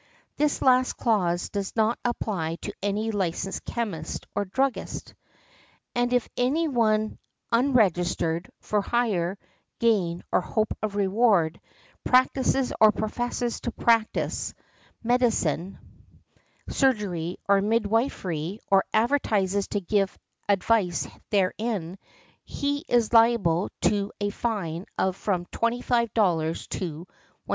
(This last clause does not apply to any licensed chemist or druggist.) And if any one unregistered, for hire, gain or hope of reward, practises or professes to practise medicine, surgery or midwifery, or advertises to give advice therein, he is liable |46| to a fine of from $25 to $100.